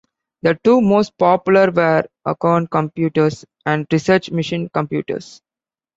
The two most popular were Acorn Computers and Research Machines computers.